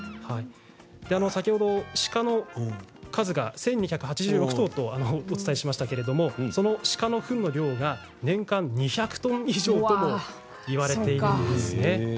先ほど鹿の数が１２８６頭とお伝えしましたがその鹿のフンの量が年間２００トン以上ということなんです。